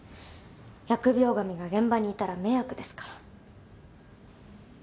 疫病神が現場にいたら迷惑ですから。